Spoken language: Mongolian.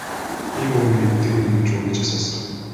Ийм мөөгийг иддэг юм гэж үү гэж асуусан.